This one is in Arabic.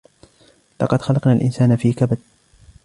لَقَدْ خَلَقْنَا الْإِنْسَانَ فِي كَبَدٍ